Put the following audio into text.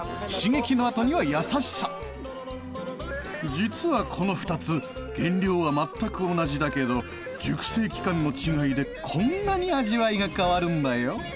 実はこの２つ原料は全く同じだけど熟成期間の違いでこんなに味わいが変わるんだよ。